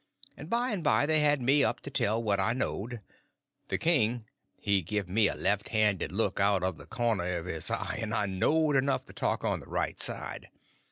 And by and by they had me up to tell what I knowed. The king he give me a left handed look out of the corner of his eye, and so I knowed enough to talk on the right side.